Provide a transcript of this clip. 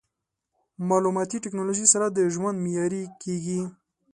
مالوماتي ټکنالوژي سره د ژوند معیاري کېږي.